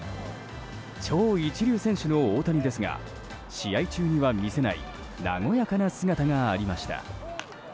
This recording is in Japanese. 超一流選手の大谷ですが試合中には見せない和やかな姿がありました。